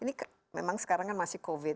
ini memang sekarang masih covid sembilan belas